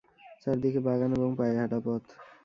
চারদিকে বাগান এবং পায়ে হাঁটা পথ।